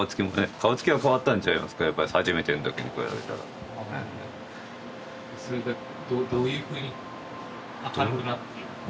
顔つきが変わったんちゃいますかやっぱり初めての時に比べたらそれがどういうふうに明るく？